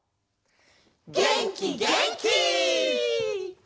げんきげんき！